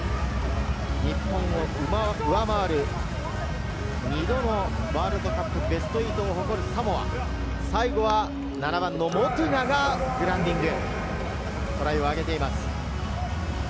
日本を上回る、２度のワールドカップベスト８を誇るサモア、最後は７番のモトゥガがグラウンディング、トライを挙げています。